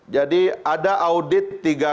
jadi ada audit